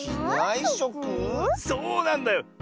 そうなんだよ。